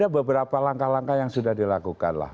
beberapa langkah langkah yang sudah dilakukanlah